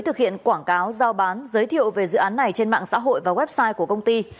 thực hiện quảng cáo giao bán giới thiệu về dự án này trên mạng xã hội và website của công ty